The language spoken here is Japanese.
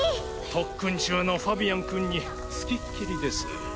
特訓中のファビアンくんに付きっきりです。